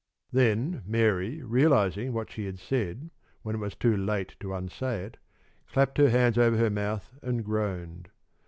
Then, Mary, realizing what she had said when it was too late to unsay it, clapped her hands over her mouth and groaned.